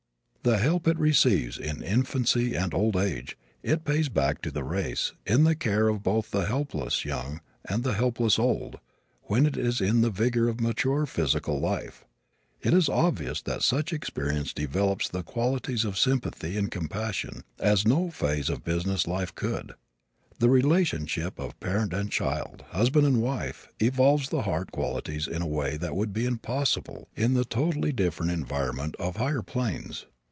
The help it receives, in infancy and old age, it pays back to the race, in the care of both the helpless young and the helpless old, when it is in the vigor of mature physical life. It is obvious that such experience develops the qualities of sympathy and compassion as no phase of business life could. The relationship of parent and child, husband and wife, evolves the heart qualities in a way that would be impossible in the totally different environment of higher planes.